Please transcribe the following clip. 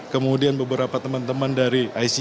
kemudian beberapa teman teman dari ic